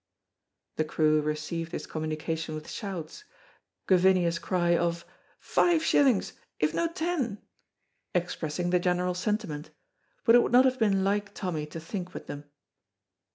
The crew received this communication with shouts, Gavinia's cry of "Five shillings, if no ten!" expressing the general sentiment, but it would not have been like Tommy to think with them.